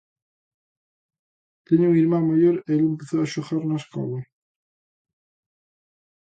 Teño un irmán maior e el empezou a xogar na escola.